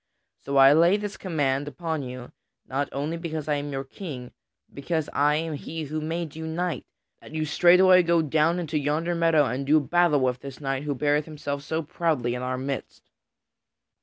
So I lay this command upon you not only because I am your King, but because I am he who made you knight that you straightway go down into yonder meadow and do battle with this knight who beareth himself so proudly in our midst."